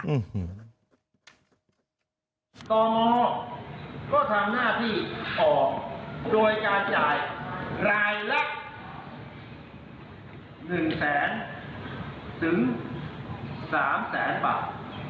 กรมอก็ทำหน้าที่ออกโดยการจ่ายรายละ๑แสนถึง๓แสนบาท